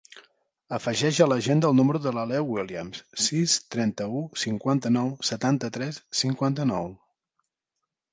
Afegeix a l'agenda el número de l'Aleu Williams: sis, trenta-u, cinquanta-nou, setanta-tres, cinquanta-nou.